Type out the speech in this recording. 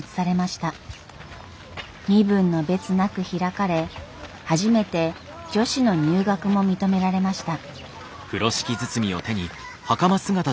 身分の別なく開かれ初めて女子の入学も認められました。